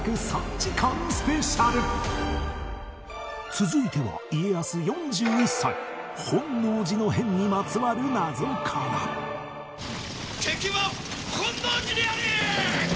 続いては家康４１歳本能寺の変にまつわる謎から敵は本能寺にありー！